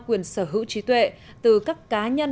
quyền sở hữu trí tuệ từ các cá nhân